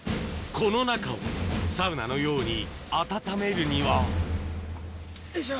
この中をサウナのように温めるにはよいしょ！